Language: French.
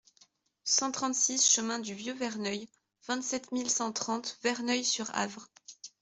cent trente-six chemin du Vieux Verneuil, vingt-sept mille cent trente Verneuil-sur-Avre